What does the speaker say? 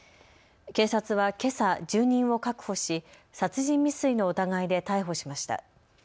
警察はけさ、住人を確保し殺人未遂の疑いで逮捕しました。